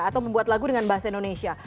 atau membuat lagu dengan bahasa indonesia